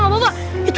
aduh sakit aduh